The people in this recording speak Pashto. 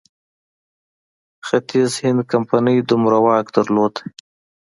ختیځ هند کمپنۍ دومره واک درلود.